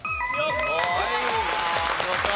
正解です。